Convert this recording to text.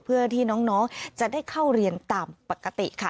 เพื่อที่น้องจะได้เข้าเรียนตามปกติค่ะ